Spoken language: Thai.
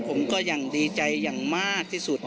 ผมก็ยังดีใจอย่างมากที่สุด